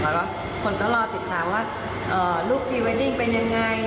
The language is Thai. แล้วก็คนก็รอติดตามว่ารูปพรีเวดดิ้งเป็นยังไง